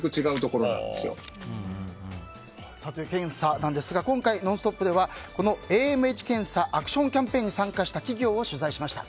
この検査なんですが今回「ノンストップ！」ではこのＡＭＨ検査アクションキャンペーンに参加した企業を取材しました。